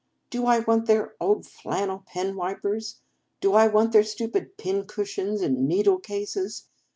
Do I want their old flan nel penwipers ? Do I want their stupid pincushions and needle cases?